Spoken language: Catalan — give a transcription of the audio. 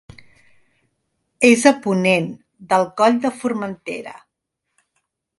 És a ponent del Coll de Formentera.